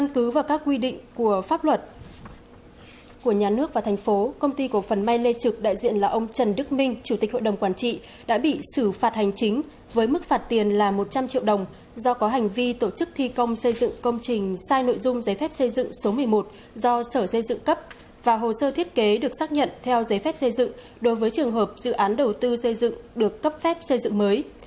công ty của phần may lê trực đại diện là ông trần đức minh chủ tịch hội đồng quản trị đã bị xử phạt hành chính với mức phạt tiền là một trăm linh triệu đồng do có hành vi tổ chức thi công xây dựng công trình sai nội dung giấy phép xây dựng số một mươi một do sở xây dựng cấp và hồ sơ thiết kế được xác nhận theo giấy phép xây dựng đối với trường hợp dự án đầu tư xây dựng được cấp phép xây dựng mới